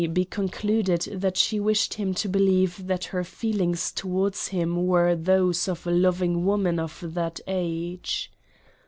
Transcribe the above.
be concluded that she wished him to believe that her feelings towards him were those of a loving woman of that age.